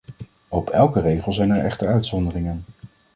Op elke regel zijn er echter uitzonderingen.